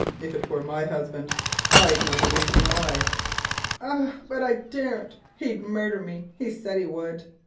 If it were my husband, now I'd know the reason why." "Ay, but I daren't. He'd murder me. He said he would."